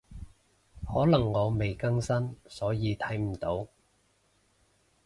可能我未更新，所以睇唔到